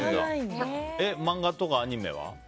漫画とかアニメは？